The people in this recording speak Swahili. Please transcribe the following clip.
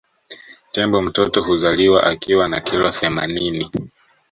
Tembo mtoto huzaliwa akiwa na kilo themanini